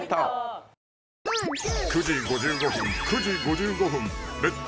９時５５分９時５５分「レッツ！